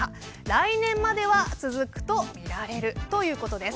来年までは続くとみられるということです。